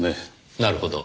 なるほど。